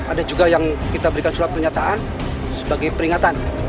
ada juga yang kita berikan surat pernyataan sebagai peringatan